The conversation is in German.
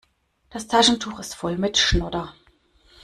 Das Taschentuch ist voll mit Schnodder.